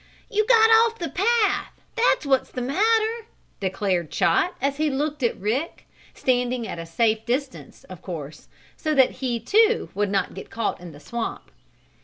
"You got off the path, that's what's the matter!" declared Chot, as he looked at Rick standing at a safe distance, of course, so that he, too, would not get caught in the swamp.